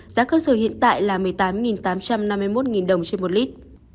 giá cơ sở hiện tại là một mươi tám đồng trên một lít